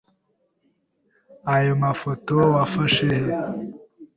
Aya mafoto wafashe he?